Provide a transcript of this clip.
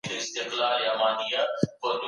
ټلویزیونونو خبري او تفریحي برنامې خپرولې.